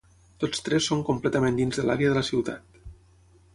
Tots tres són completament dins de l'àrea de la ciutat.